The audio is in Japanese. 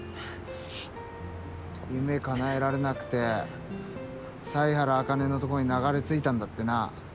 夢かなえられなくて犀原茜のとこに流れ着いたんだってな。